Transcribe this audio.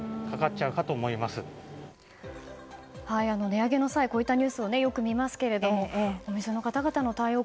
値上げの際こういったニュースをよく見ますがお店の方々の対応